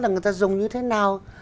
người ta dùng như thế nào